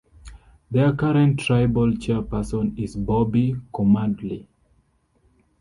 Their current tribal chairperson is Bobby Komardley.